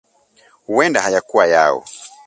huenda hayakuwa yao